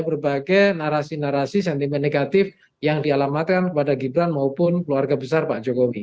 berbagai narasi narasi sentimen negatif yang dialamatkan kepada gibran maupun keluarga besar pak jokowi